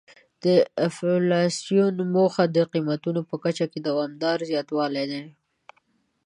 د انفلاسیون موخه د قیمتونو په کچه کې دوامداره زیاتوالی دی.